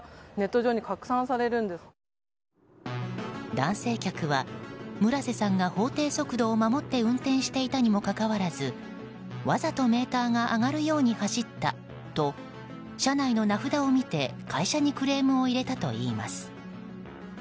男性客は、村瀬さんが法定速度を守って運転していたにもかかわらずわざとメーターが上がるように走ったと車内の名札を見て、会社にクレームを入れたといいます。